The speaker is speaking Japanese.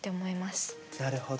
なるほど。